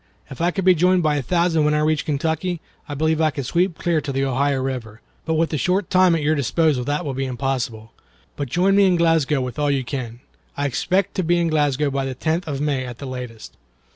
If I could be joined by a thousand when I reach Kentucky, I believe I could sweep clear to the Ohio River. But with the short time at your disposal that will be impossible. But join me at Glasgow with all you can. I expect to be in Glasgow by the tenth of May at the latest."